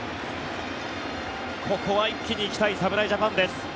ここは一気に行きたい侍ジャパンです。